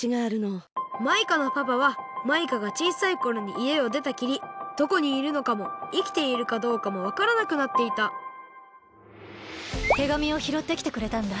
マイカのパパはマイカがちいさいころにいえをでたきりどこにいるのかもいきているかどうかもわからなくなっていた手紙をひろってきてくれたんだ。